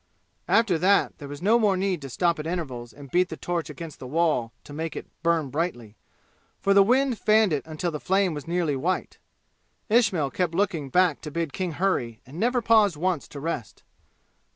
After that there was no more need to stop at intervals and beat the torch against the wall to make it burn brightly, for the wind fanned it until the flame was nearly white. Ismail kept looking back to bid King hurry and never paused once to rest.